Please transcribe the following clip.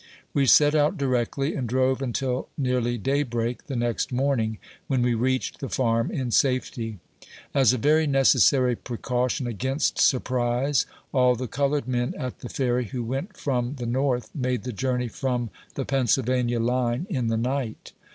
We set out directly, and drove until nearly day break the next morning, when we reached the l?arm in safety. As a very necessary precaution against surprise, all the colored men at the Ferry who went from the North, made the journey from the Pennsylvania line in the night.